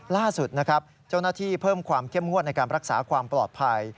ล่าสุดนะครับเจ้าหน้าที่เพิ่มความเข้มงวดในการรักษาความปลอดภัย